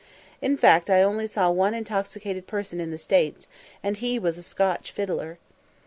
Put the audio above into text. In fact, I only saw one intoxicated person in the States, and he was a Scotch fiddler.